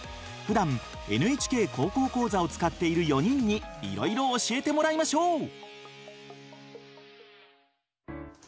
ふだん「ＮＨＫ高校講座」を使っている４人にいろいろ教えてもらいましょう！